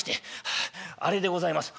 「はああれでございます」。